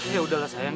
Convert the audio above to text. ya udah lah sayang